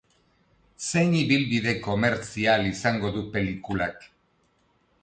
Zein ibilbide komertzial izango du pelikulak?